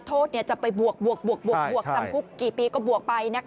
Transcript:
โทษจะไปบวกจำคุกกี่ปีก็บวกไป